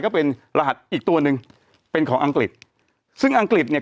ก็เป็นรหัสอีกตัวหนึ่งเป็นของอังกฤษซึ่งอังกฤษเนี่ย